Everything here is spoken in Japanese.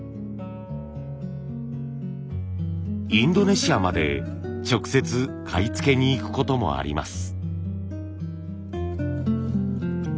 インドネシアまで直接買い付けに行くこともあります。